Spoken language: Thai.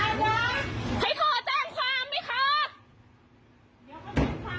มันไม่ใช่เรื่องของคุณคุณไม่มีสิทธิ์ทำร้ายคนอื่น